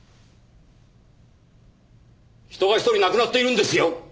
人が一人亡くなっているんですよ！